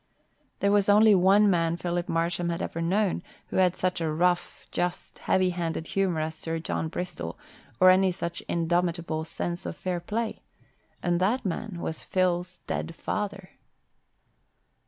There was only one man Philip Marsham had ever known, who had such a rough, just, heavy handed humour as Sir John Bristol or any such indomitable sense of fair play, and that man was Phil's dead father.